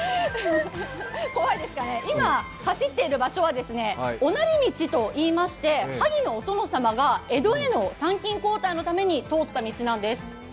怖いですかね、今、走っている場所は御成道といいまして萩のお殿様が江戸への参勤交代のために通った道なんです。